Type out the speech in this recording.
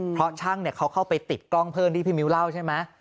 เพราะช่างเขาเข้าไปติดกล้องเพิ่มที่พี่มิ้วเล่าใช่ไหม